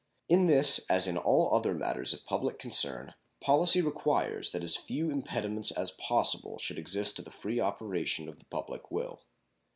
In this as in all other matters of public concern policy requires that as few impediments as possible should exist to the free operation of the public will.